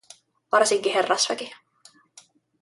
Varsinkin herrasväki.